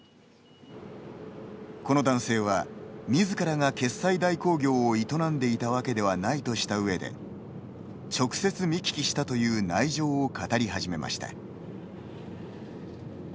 この男性は、みずからが決済代行業を営んでいたわけではないとしたうえで直接見聞きしたという内情を語り始めました。